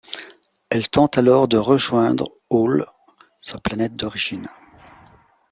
Elle tente alors de rejoindre ☉lh, sa planète d'origine.